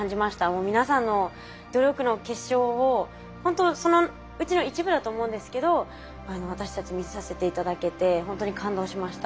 もう皆さんの努力の結晶をほんとそのうちの一部だと思うんですけど私たち見させて頂けてほんとに感動しました。